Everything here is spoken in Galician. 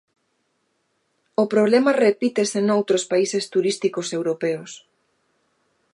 O problema repítese noutros países turísticos europeos.